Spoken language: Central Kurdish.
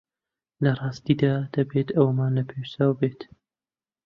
لە ڕاستیدا دەبێت ئەوەمان لە پێشچاو بێت